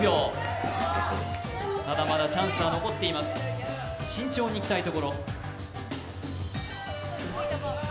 まだまだチャンスは残っています、慎重にいきたいところ。